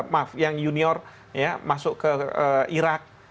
maaf yang junior ya masuk ke irak